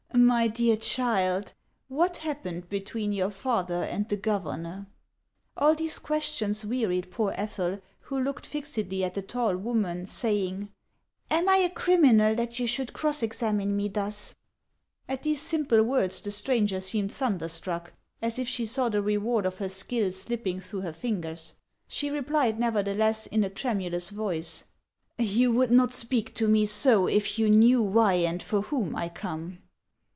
"My dear child, what happened between your father and the governor ?" HANS OF ICELAND. 371 All these questions wearied poor Ethel, who looked fixedly at the tall woman, saying :" Am I a criminal, that you should cross examine me thus ?" At these simple words the stranger seemed thunder struck, as if she saw the reward of her skill slipping through her fingers. She replied, nevertheless, in a tremulous voice :" You would not speak to me so if you knew why and for whom I come."